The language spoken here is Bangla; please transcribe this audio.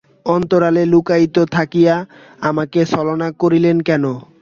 অন্তরালে লুক্কায়িত থাকিয়া আমাকে ছলনা করিলেন কেন?